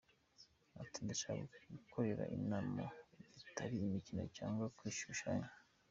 Ati “Ndashaka gukorera Imana bitari imikino cyangwa kwishushanya.